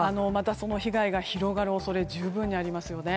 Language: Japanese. その被害が広がる恐れ十分にありますよね。